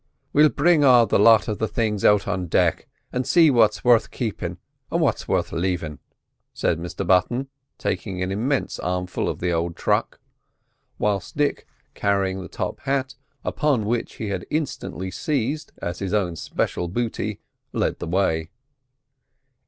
"We'll bring all the lot of the things out on deck, and see what's worth keepin' an' what's worth leavin'," said Mr Button, taking an immense armful of the old truck; whilst Dick, carrying the top hat, upon which he had instantly seized as his own special booty, led the way.